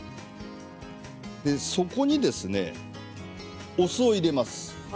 そこにですねお酢を入れます。